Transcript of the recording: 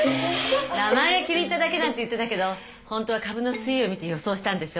名前が気に入っただけなんて言ってたけどホントは株の推移を見て予想したんでしょう？